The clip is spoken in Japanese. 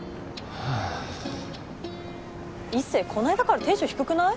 はあ壱成こないだからテンション低くない？